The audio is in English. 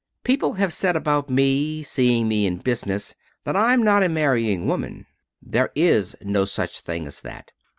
People have said about me, seeing me in business, that I'm not a marrying woman. There is no such thing as that.